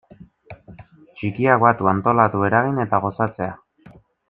Txikiak batu, antolatu, eragin eta gozatzea.